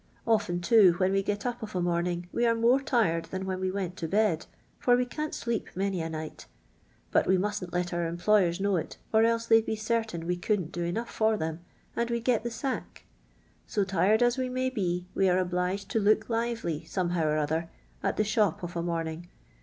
C>fien, too, when we get up of a morn ing, we are more tired than when we went to bed, for we can 't sleep many a night; but we mu»tn't let our empl'»yers know it, or eUe they'd be cer tain we couldn't do enough for them, and we'd get the sack. So, tired Jis we may be, we are obliu'»*d to look lively, somehow or other, at the sh(»p of a morning.